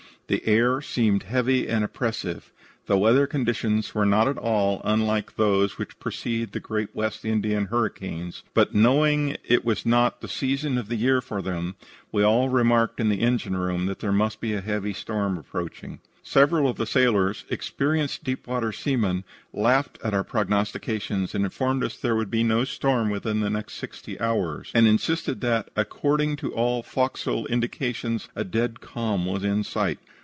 The air seemed heavy and oppressive. The weather conditions were not at all unlike those which precede the great West Indian hurricanes, but, knowing it was not the season of the year for them, we all remarked in the engine room that there must be a heavy storm approaching. "Several of the sailors, experienced deep water seamen, laughed at our prognostications, and informed us there would be no storm within the next sixty hours, and insisted that, according to all fo'cas'le indications, a dead calm was in sight.